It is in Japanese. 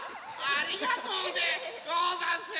ありがとうでござんす！